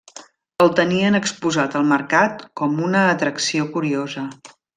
El tenien exposat al mercat com una atracció curiosa.